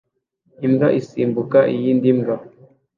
Imbwa isimbuka iyindi mbwa